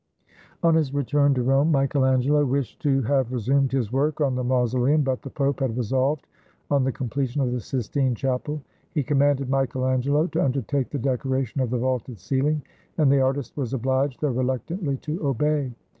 On his return to Rome, Michael Angelo wished to have resumed his work on the mausoleum ; but the Pope had resolved on the completion of the Sistine Chapel: he commanded Michael Angelo to undertake the decora tion of the vaulted ceiling; and the artist was obliged, though reluctantly, to obey.